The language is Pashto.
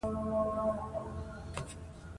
نوی پکول به کوم ځای مېلاو شي؟